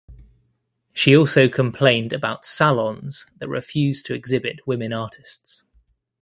She also complained about "salons" that refused to exhibit women artists.